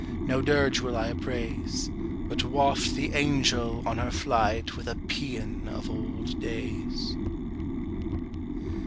no dirge will I upraise, But waft the angel on her flight with a Paean of old days!"